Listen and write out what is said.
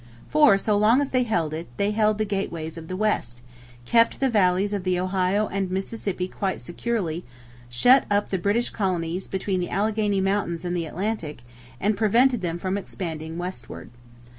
For, so long as they held it, they held the gateways of the West, kept the valleys of the Ohio and Mississippi quite securely, shut up the British colonies between the Alleghany Mountains and the Atlantic and prevented them from expanding westward.